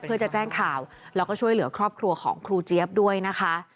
เพื่อจะแจ้งข่าวแล้วก็ช่วยเหลือครอบครัวของครูเจี๊ยบด้วยนะคะ